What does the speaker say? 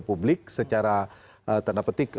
publik secara tanda petik